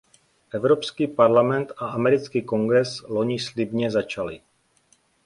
Evropský parlament a americký Kongres loni slibně začaly.